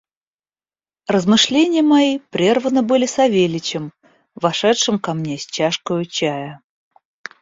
Размышления мои прерваны были Савельичем, вошедшим ко мне с чашкою чая.